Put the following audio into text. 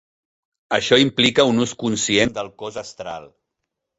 Això implica un ús conscient del cos astral.